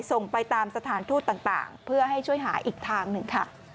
ส่งไปตามสถานทูตต่างเพื่อให้ช่วยหาอีกทางหนึ่งค่ะ